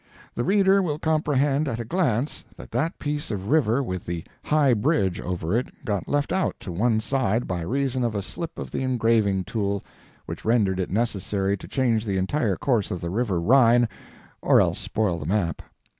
The reader will comprehend at a glance that that piece of river with the "High Bridge" over it got left out to one side by reason of a slip of the engraving tool, which rendered it necessary to change the entire course of the river Rhine or else spoil the map.